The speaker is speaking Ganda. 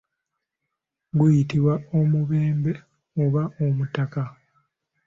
Guyitibwa omubembe oba omutaka.